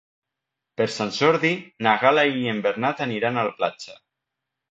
Per Sant Jordi na Gal·la i en Bernat aniran a la platja.